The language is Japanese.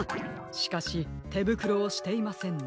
しかしてぶくろをしていませんね。